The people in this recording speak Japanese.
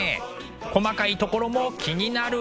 細かいところも気になる。